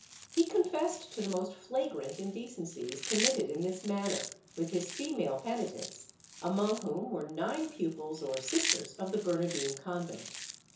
He confessed to the most flagrant indecencies committed in this manner, with his female penitents, among whom were nine pupils or sisters of the Bernardine convent.